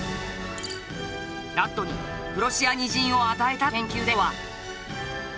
ラットにプロシアニジンを与えた研究では。